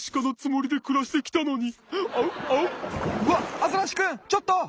わっアザラシくんちょっと。